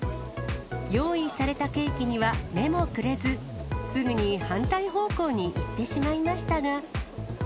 用意されたケーキには目もくれず、すぐに反対方向に行ってしまいましたが。